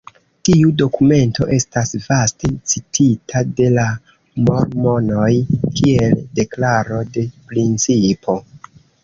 Tiu dokumento estas vaste citita de la mormonoj kiel deklaro de principo.